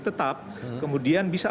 tetap kemudian bisa